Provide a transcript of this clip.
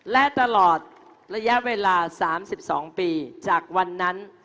และตลอดระยะเวลา๓๒ปีจากวันนั้น